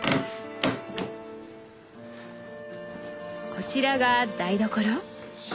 こちらが台所？